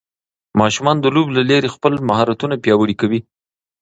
ماشومان د لوبو له لارې خپل مهارتونه پیاوړي کوي.